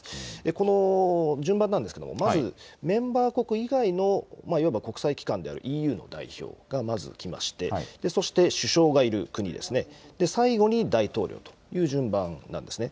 この順番なんですけれども、まずメンバー国以外のいわば国際機関であるＥＵの代表がまず来まして、そして首相がいる国ですね、最後に大統領という順番なんですね。